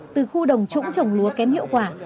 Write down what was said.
từ khu đồng trũng trồng lúa kém hiệu quả